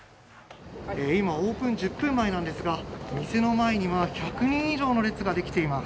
今、オープン１０分前ですが店の前には１００人以上の列ができています。